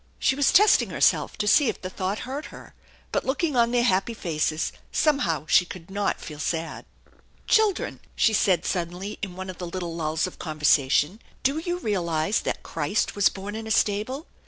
" She was testing herself to see if the thought hurt her. But, looking on their hftppy faces, somehow she could not feel sad. " Children/' she said suddenly in one of the little lulls of conversation, " do you realize that Christ was born in a stable